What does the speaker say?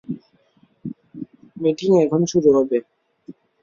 Meeting এখন শুরু হবে।